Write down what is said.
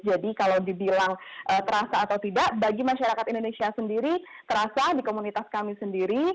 jadi kalau dibilang terasa atau tidak bagi masyarakat indonesia sendiri terasa di komunitas kami sendiri